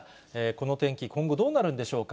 この天気、今後どうなるんでしょうか。